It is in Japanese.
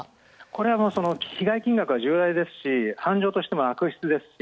これは被害金額が重大ですし金額としても大きいですし